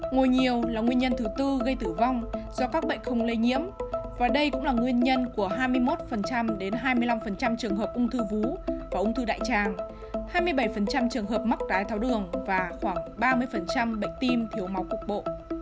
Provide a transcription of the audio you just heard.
ngồi nhiều là nguyên nhân thứ tư gây tử vong do các bệnh không lây nhiễm và đây cũng là nguyên nhân của hai mươi một đến hai mươi năm trường hợp ung thư vú có ung thư đại tràng hai mươi bảy trường hợp mắc đái tháo đường và khoảng ba mươi bệnh tim thiếu máu cục bộ